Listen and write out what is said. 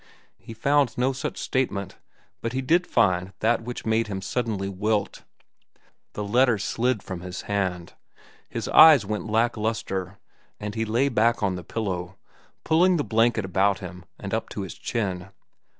He found no such statement, but he did find that which made him suddenly wilt. The letter slid from his hand. His eyes went lack lustre, and he lay back on the pillow, pulling the blanket about him and up to his chin.